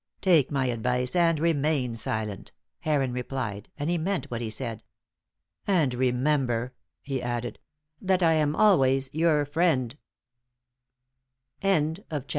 "Take my advice, and remain silent," Heron replied, and he meant what he said. "And remember," he added, "that I am always your friend friend." CHAPTER XI.